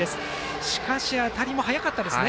しかし、当たりも速かったですね。